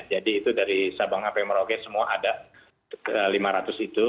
jadi itu dari sabang hp merauke semua ada lima ratus itu